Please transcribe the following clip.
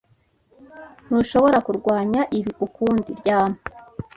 Ntushobora kurwanya ibi ukundi ryama